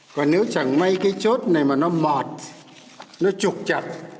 còn nếu chẳng may cái chốt này mà nó mọt nó trục chặt